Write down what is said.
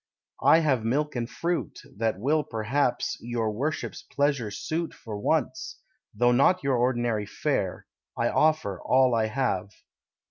I have milk and fruit, That will, perhaps, your worship's pleasure suit For once, though not your ordinary fare; I offer all I have."